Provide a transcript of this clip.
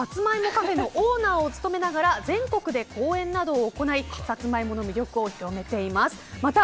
カフェのオーナーを務めながら全国で講演などを行いサツマイモの魅力を広めています。